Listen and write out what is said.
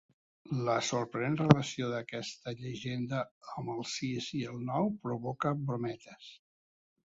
La sorprenent relació d'aquesta llegenda amb el sis i el nou provoca brometes.